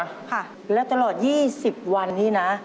ค่ะแล้วตลอด๒๐วันนี้นะ